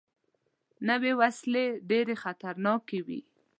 نوې وسلې ډېرې خطرناکې وي